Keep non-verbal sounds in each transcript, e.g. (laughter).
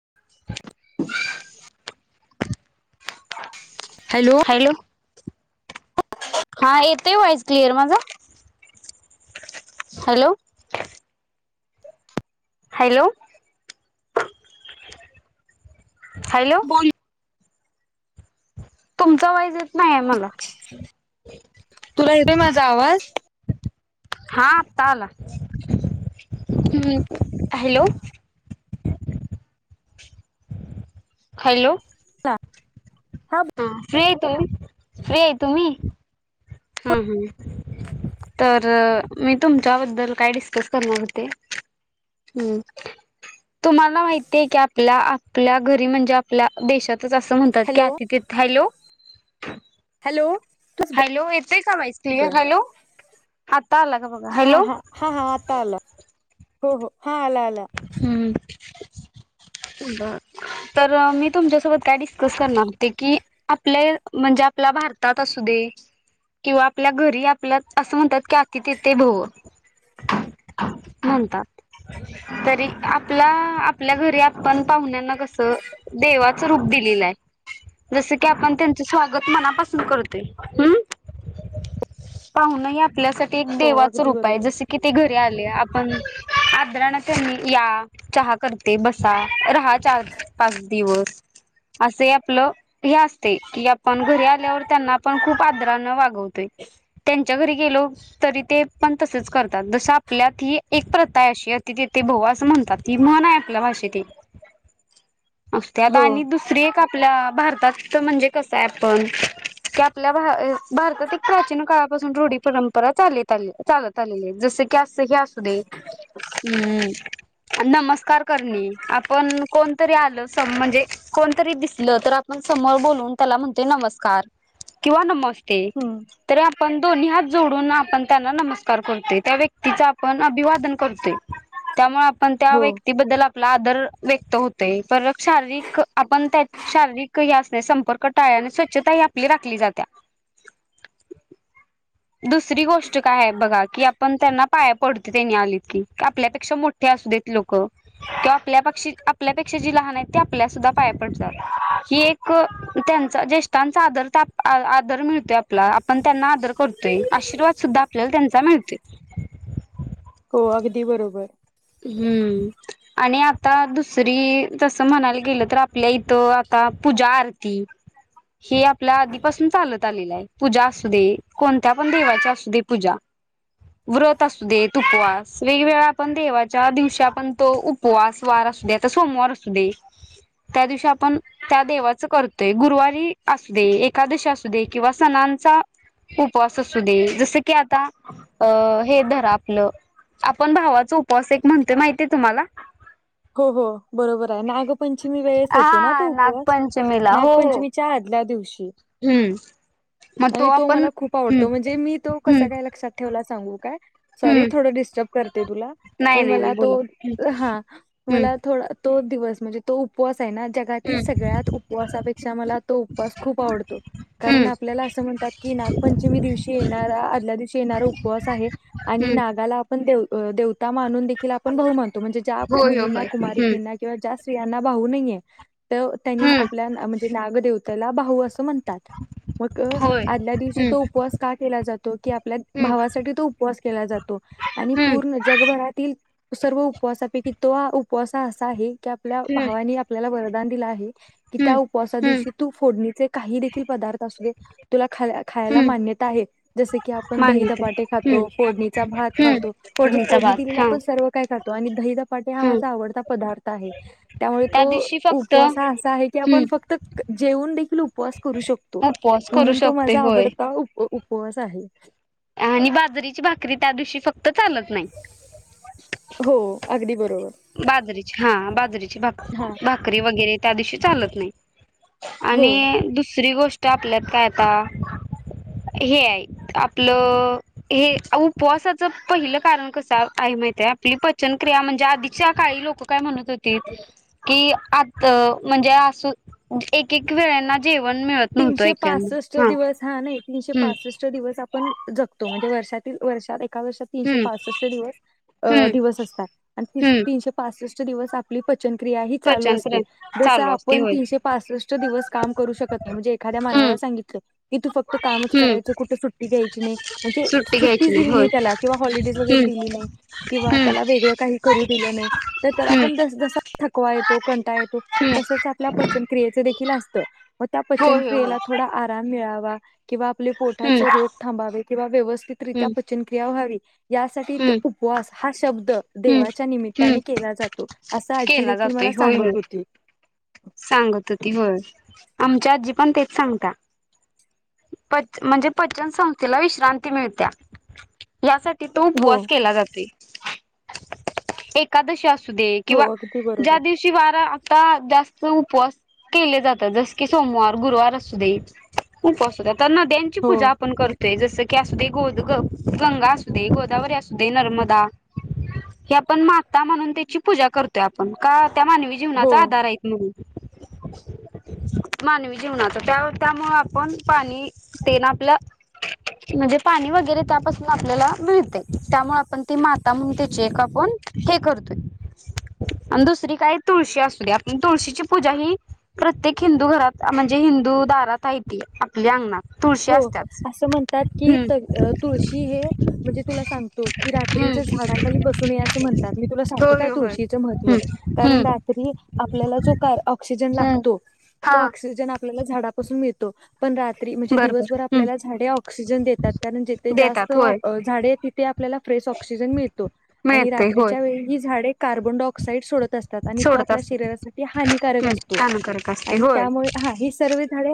(inaudible) (inaudible) Hello हा येतय voice clear माझा? हॅलो. हॅलो, हॅलो बोल तुमचा वाईज येत नाही आहे मला तुला येतोय माझा आवाज? हा आत्ता आला. हम्म हॅलो हॅलो हा फ्री हे तुम्ही? फ्री आहे तुम्ही? हम्म हम तर मी तुमच्याबद्दल काय डिस्कस करणार होते? हम्म तुम्हाला माहितीय की आपल्या आपल्या घरी म्हणजे आपल्या देशात असं म्हणतात की हॅलो आतिथे हॅलो हॅलो येता का व्हॉइस क्लिअर आला का बघा हा, हॅलो हा, हा, हा आता आला. हो, हो हा आला आला हम्म तर मी तुमच्यासोबत काय डिस्कस करणार होते की आपले म्हणजे आपल्या भारतात असू दे किंवा आपल्या घरी आपल्या असं म्हणतात की आति तिथे भव म्हणतात, तरी आपला आपल्या घरी, आप पण पाहुण्यांना कसं देवाच रूप दिलेलं आहे जसं की आपण त्यांच स्वागत मनापासून करतोय हम् पाव्हणं ह आपल्यासाठी एक हो देवाच अगदी रूप आहे. बरोबर जस की ते घरी आले आप पण आद्रणा या चहा करते बस रहा चार पाच दिवस असेहि आपलं हे असते की आपण घरी आल्यावर त्यांना आपण खूप आदरानं वागवतोय त्यांच्या घरी गेलो. तरी ते पण तसच करतात. जस आपल्यात ही एक प्रथा आहे. अशी अतिथी देवो भव अस म्हणतात. ती म्हण आहे आपल्या भाषेत असते. आता हो आणि दुसरी एक आपल्या भारतात म्हणजे कस आहे आपण की, आपल्या भारतात एक प्राचीन काळापासून रूढी परंपरा परंपरा चालत चालत आलेली. जस की अस हे असू दे हम्. नमस्कार करणे. आपण कोणतरी आलं म्हणजे कोणतरी दिसलं तर आपण समोर बोलवून त्याला म्हणतोय नमस्कार. नमस्कार किंवा नमस्ते हम्म तरी आपण दोन्ही हात जोडून आपण त्यांना नमस्कार करतो. त्या व्यक्तीच आपण अभिवादन करतोय. त्यामुळे आपण त्या हो व्यक्तीबद्दल आपला आदर व्यक्त होतय. परत शारीरिक आपण त्या शारीरिक हे अस संपर्क टाळ स्वच्छता ही आपली राखली जाते. दुसरी गोष्ट काय आहे. बघा की, आपण त्यांना पाया पडतो. त्यांनी आलीत की आपल्यापेक्षा मोठ्या लोक आपल्यापेक्षा जे लहान आहेत ते आपल्यासुद्धा पाया पडतात. ही एक त्यांचा ज्येष्ठांचा आदर मिळतोय आपला आपण त्यांना आदर करतोय. आशीर्वाद सुद्धा आपल्याला त्यांचा मिळतोय. हे बरोबर. हम्म आणि आता दुसरी जस म्हणायला गेलं तर आपल्या इथं पूजा, आरती हे आपल्या आधीपासून चालत आलेलं आहे. पूजा असू दे. कोणत्या पण देवाची असू दे पूजा. व्रत असू देेत. उपवास वेगवेगळा आपण देवा च्या दिवशी आपण तो उपवास वार असू दे. आता सोमवार असू दे. त्या दिवशी आपण त्या देवाच करतोय. गुरुवारी असू दे एकादशी असू दे किंवा सणा उपवास असू दे. जस की, आता अ हे धारा आपलं आपण भावाचा उपवास एक म्हणतोय माहितीय तुम्हाला.. हो हो बरोबर आहे. नागपंचमी वेळेस येतो ना हा तो उपवास नागपंचमीला हो हो नागपंचमीच्या आधी आदल्या दिवशी हम्म, मग आणि तो आपण मला खूप हम्म आवडतो. म्हणजे मी तो हम्म कसा काय लक्षात ठेवला.. सांगू काय.. सॉरी हम्म थोड डिस्टर्ब करते तुला.. नाही पण नाही मला नाही बोला तो हम्म मला थोडा तो दिवस म्हणजे तो उपवास आहे ना... जगातील हम्म सगळ्यात उपवासापेक्षा मला तो उपवास खूप आवडतो. कारण हम्म हम्म आपल्याला असं म्हणतात की, नागपंचमी दिवशी येणारा आदल्या दिवशी येणारा उपवास आहे. आणि की हम्म नागाला आपण देवता मानून देखील आपण भाऊ मानतो. होय होय मुलींना, होय हम्म कुमारिकिना किंवा जास स्त्रियांना भाऊ नाहीये. तर त्यांनी हम्म आपल्या म्हणजे नागदेवतेला भाऊ असं म्हणतात. मग होय आदल्या दिवशी हम्म तो उपवास का केला जातो? की आपल्या हम्म भावासाठी तो उपवास केला जातो. आणि हम्म पूर्ण जगभरातील सर्व उपवासापैकी तो उपवास हा असा आहे की आपल्या हम्म भावानी आपल्याला वरदान दिलं आहे. कि त्या हम्म उपवासा हम्म दिवशी तू फोडणीचे काही देखील पदार्थ असुदेत. तुला खायला हम्म मान्यता आहे. जस की आपण दही मान्यता धपाटे हम्म खातो. फोडणीचा भात हम्म खातो. म्हणजे फोडणीचा फोडणी भात दिलेलं हा आपण सर्व काही खातो. आणि दही धपाटे दही धपाटे हा हम्म माझा आवडता पदार्थ आहे. त्यामुळे त्या तो दिवशी फक्त उपवास हम्म असा आहे की आपण फक्त जेवून देखील उपवास करू शकतो. उपवास करू म्हणून तो शकते माझा होय आवडता उपवास आहे. उपवास आहे. आणि बाजरीची भाकरी त्या दिवशी फक्त चालत नाही. हो अगदी बरोबर बाजरीची हा बाजरीेची हा भाकरी भाकरी वगैरे त्या दिवशी चालत नाही. हो. आणि दुसरी गोष्ट आपल्यात काय आता.. हे आहे.. आपलं हे उपवासाच पहिलं कारण कसं आहे. माहित आहे. आपली पचनक्रिया म्हणजे आधी शिवाय काही लोकं काय म्हणत होतीत की आत म्हणजे अस अं एक एक वेळेला जेवण मिळत नव्हतं तीनशे पासष्ट एकेकाना हा दिवस नाही तीनशे हम्म पासष्ट दिवस आपण जगतो म्हणजे वर्षातील वर्षात एक एका वर्षात तीनशे हम्म पासष्ट दिवस अ हम्म दिवस असतात आणि तीस हम्म तीनशे पासष्ट चे दिवस आपली पत चनक्रिया हि चालू असते. पचनक्रिया जस चालू असते आपण होय तीनशे पासष्ट दिवस काम करू शकत नाही म्हणजे एखाद्या हम्म मानवाला सांगितलं की तू फक्त कामचं हम्म करायचं कुठे सुट्टी घ्यायची नाही म्हणजे सु सुट्टी घ्यायची सुट्टीच दिली नाही होय त्याला किंवा हॉलिडेज वगैरे हम्म दिली नाही किंवा हम्म त्याला वेगळं काहि करू दिल नाही तर त्याला हम्म पण त जसा थकवा येतो कंट टाळ येतो, हम्म तसेच आपल्या पचनक्रियेचं देखील अस त. म त्या होय होय होय पचनक्रियेला थोडा आराम मिळावा किंवा आपले हम्म पोटाचे रोग थांबावे किंवा व्यवस्थितरित्या हम्म पचनक्रिया व्हावी यासाठी त हम्म उपवास हा शब्द हम्म देवाच्या हम्म निमित्ताने केला जातो असं आज्जी केला देखील जातोय मला होय होय सांगत होती. सांगत होती होय आमची आज्जी पण तेच सांगत्या पच म्हणजे पचन संस्थेला विश्रांती मिळत्या यासा कि तो हो उपवास केला जातोय एकादशी असू सुदे हो किंवा अगदी बरोबर ज्या दिवशी वार आता आ जास्त चं उपवास केले जातात जस की सोमवार, गुरुवार असुदेत (unintelligible) तर नद्यांची हो पूजा आपण करतोय जस जसंकी असूदे गोद ग गंगा असूदे, गोदावरी असूदे, नर्मदा हे आपण माता म्हणून त्याची पूजा करतोय आपण का त्या मानवी जीवनाचा हो आधार आहेत म्हणून मानवी जीवनाच त्या त्यामुळ आप पण पाणी ते ना आपलं म्हणजे पाणी वगैरे त्यापासून आपल्याला मिळतंय त्यामुळे आपण ति म त्यामुळं ते चेक आपण हे करतोय आणि दुसरी काय तुळशी असूदे आपण तुळशीची पूजा ही प्रत्येक हिंदू घरात अ म्हणजे हिं हिंदू दारात आहे ती आपल्या अंगणात तुळशी हो. असत्याच असं म्हणतात की, हम्म त तुळशी हे म्हणजे तुला सांगतो की रात्री हम्म रात्रीचे झाडाखाली बसू नये असे म्हणतात. मी तुला सांगतो काय होय होय तुळशीचे महत्व हम्म कारण हम्म रात्री आपल्या आपल्याला जो काय ऑक्सिजन हम्म लागतो तो हा ऑक्सिजन आपल्याला झाडापासून मिळतो. पण रात्री म्हण जे बरोबर दिवसभर आपल्याला हम्म झाडे ऑक्सिजन देतात, कारण जिथे जास्त देतात ऑ होय अ झाडे तिथे आपल्याला फ्रेश ऑक्सि क्सिजन मिळतो. आणि मिळते होय रात्रीच्या वेळी ही झाडे कार्बनडॉऑक्साइड सोडत असतात आणि तो सोडत आपल्या असतात शरीरासाठी हानिकारक अस हम्म असतो दानकारक असते आणि होय त्यामुळे हा हि सर्व झाडे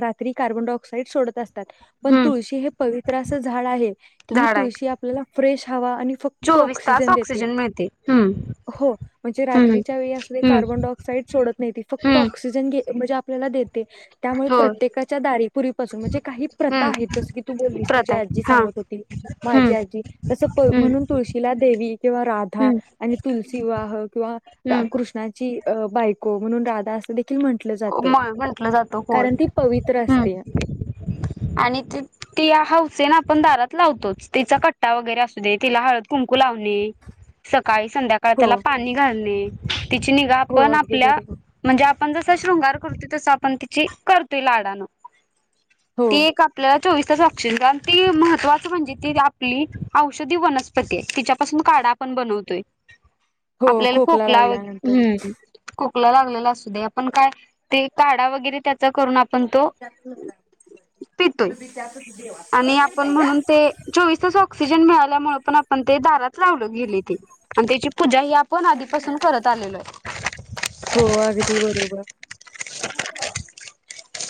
रात्री कार्बनडॉऑक्साइड सोडत असत तात. पण हम्म तुळशी हे पवित्र अस झाडं आहे की ही झाड आहे तुळशी आपल्याला फ्रेश हवा आणि फ चोवीस तास ऑक्सिजन मिळते. हम्म हो, म्हणजे हम्म रात्रीच्या वेळी असुदे हम्म कार्बनडॉऑक्साइड सोडत नाहीे ती फक्त हम्म ऑक्सिजन घेत म्हणजे आपल्याला देते त्यामुळे हो प्रत्येकाच्या दारी पासुण म्हणजे काहि प्रथा हम्म आहेत जसं कि तू बोलीस तुझी प्रत आहे आजी हा सांगत होती माझी हम्म आजी तस प हम्म म्हणून तुळशीला देवी किंवा राधा हम्म आणि तुलसीविवाह किंवा हम्म कृष्णाची ती अ बायको म्हणून राधा अस देखील म्हंटल जात, मळ म्हंटलं जातो कोळ कारण ती पवित्र असते. (unintelligible) आणि ति ति हौसेन आपण दारात लावतोचं तिचा कट्टा वगैरे असू दे तिला हळद कुंकू कु लावणे, सकाळी-संध्याकाळी हो त्याला पाणी घालणे तिची निगा हो आपण अगदी आपल्या बरोबर. म्हणजे आपण जस शृंगार करतोय तस आपण तिचे करतोय लाडानं हो ते एक आपल्यात चोवीस तास ऑक्सिजन आणि ति महत्वाच म्हणजे ति आपली औषधी वनस्पती आहे तिच्यापासून काढा ढा पण बनवतोय हो आपल्याला खोकला वगै लागल्यानंतर हम्म खोकला लागलेला असूदे आपण काय ते काढा वगैरे त्याचा करून आप पण तो पितोय. आणि आपण म्हणून ते चोवीस तासा ऑक्सिजन मिळाल्यामुळे पण आपण ते दारात लावलं गेलंय ते आणि त्याची पूजा ही आपण आधीपासून करत आलेलो आहे. हो अगदी बरोबर.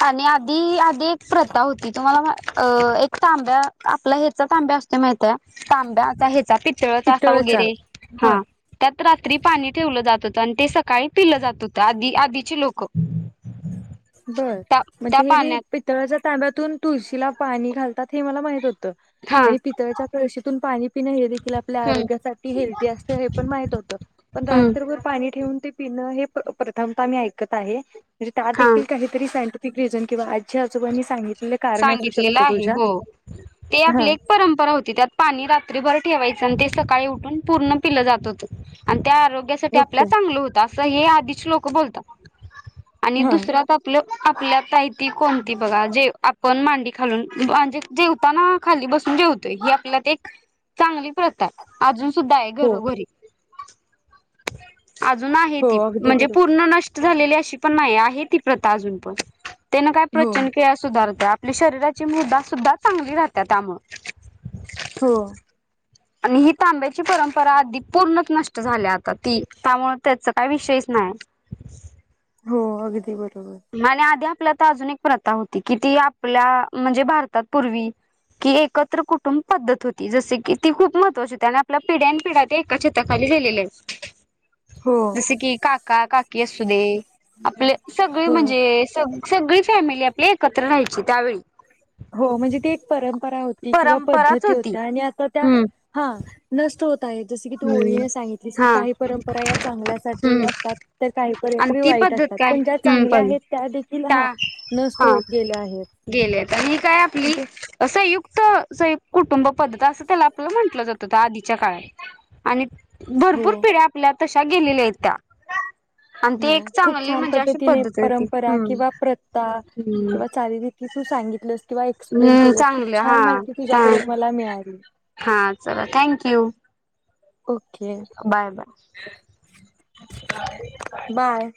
आणि आधी आधी एक प्रथा होती तुम्हाला मा अ एक तांब्या आपला ह्याचा तांब्या असतोय माहितये तांब्या आता हे चापीत अ चाच्चा पितळचा वगैरे हा त्यात रात्री पाणी ठेवलं जात होत आणि ते सकाळी पिलं जात होतं आधी आधीचे लोक. बर त्या त्या म्हणजे हे मी पाण्यात पितळाच्या तांब्यातून तुळशीला पाणी घालतात हे मला माहित होत. त्त हा आणि हम्म पितळ्याच्या कळशीतून पाणी पिण हे देखील आपल्या आरोग्यासाठी हेल्दी असतं हे पण माहित होतं. पण हम्म रात्रभर पाणी ठेवून ते पिणं हे प्र प्रथमता मी ऐकत आहे म्हणज हा काहीतरी सायंटिफिक रिझन किंवा आजी आजोबांनी संगीत सांगितलेलं आहे हो ते हा आपली एक परंपरा होती त्यात पाणी रात्री भर. ठेवायच आणि ते सकाळी उठून पूर्ण पिलं जात होतं आणि त्या आरोग्यासाठी आपला ओके चांगलं होत आस त हे आधीच लोक बोलतात आणि हा दुसऱ्यात आपल आपल्या पाहिती कोणती बघा जे आप पण मांडी खालून म्हजे जेवताना खाली बसून जेवतेय हे आपल्यात एक चांगली प्रथा आहे. अजून सुद्धा आहे हो घरोघरी. आजून आहे हो ती अगदी म्हणजे बरोबर. पूर्ण नष्ट झालेली अशी पण नाही आहे ती प्रथा आजून पण. त्यांन काय हो पचनक्रिया सुधारत? तर आपली शरीराची मुदा सुद्धा चांगली राहत त्यामुळ. हो. आणि ही तांब्याची परंपरा अगदी पूर्णच नष्ट झाल्या आता ती त्यामुळे त्याच काही विषयच नाही. हा हो अगदी बर आणि आधी आपल्या तर अजून एक प्रथा होती कि ती आपल्या म्हणजे भारतात पूर्वी की एकत्र कुटुंब पद्धत होती जस की ती खूप महत्वाची होती आणि आपल्या पिढ्यान पिढ्या एकाताखाली गेलेलेच हो जस की काका काकी असू दे आपले सगळे होय म्हणजे सग सगळी फॅमिली आपल्या एकत्र राहायची त्यावेळी हो म्हणजे ती एक परंपरा होती किंवा परंपराच पद्धती होती होत्या आणि असं त्या हम्म हा नष्ट होत जस की तू हम्म होळीने सांगितलीस हा काही परंपरा या चांगल्या सा हम्म असतात तर काही आणि ती पद्धत परंपर काय पण ज्या हम्म चांगल्या पण आहेत त्या देख हा नष्ट होत गेल्या आहेत गेले तर ही काय आपली म्हणजे असं युक्त कुटुंब पद्धत अस त्याला आपला म्हंटलं जात होत आधीच्या काळात आणि हो भरपूर पिढ्या आपल्या तशा गेलेल्या आहेत त्या्या हो खूप छान पद्धतीने आहे ती परंपरा हम्म किंवा प्रथा हम्म किंवा चचाली रिती तू सांगितलंस किंवा एक्सप्लेन हम्म केस खूप चांगलं हा छान माहिती हा तुझ्याकडून मला मिळाला हा चला thank you okay bye bye. Bye